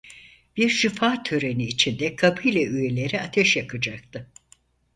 Bir şifa töreni içinde kabile üyeleri ateş yakacaktı.